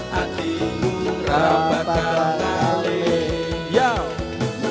hatimu rapatkan kali